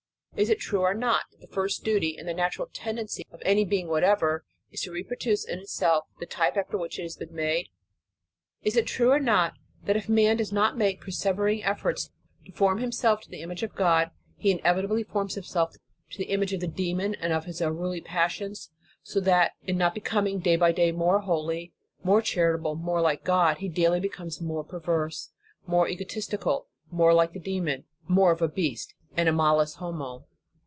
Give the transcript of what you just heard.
Is it true or not, that the first duty, and the natural tendency of any being whatever, is to reproduce in itself the type after which it has been made? Is it true or not, that if man does not make persevering efforts to form himself to the image of God, he inevitably forms himself to the image of the demon, and of his unruly passions; so that in not becoming, day by day, more holy, more charitable, more like God, he daily becomes more perverse, more egotistical, more like the demon, more of a beast, animalis homo?